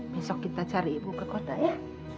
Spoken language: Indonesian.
besok kita cari ibu ke kota ya